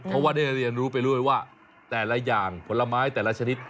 เพราะว่าได้เรียนรู้ไปด้วยว่าแต่ละอย่างผลไม้แต่ละชนิด